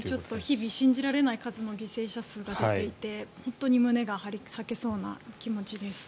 日々、信じられない数の犠牲者数が出ていて本当に胸が張り裂けそうな気持ちです。